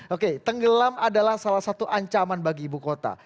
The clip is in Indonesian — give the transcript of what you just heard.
oke tenggelam adalah salah satu ancaman bagi ibu kota